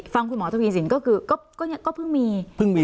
ฟังคุณหมอทวีสินก็คือก็เพิ่งมี